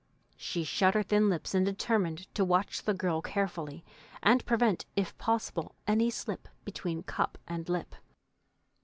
She shut her thin lips and determined to watch the girl carefully and prevent if possible any slip between cup and lip.